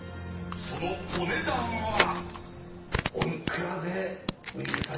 ［そのお値段は］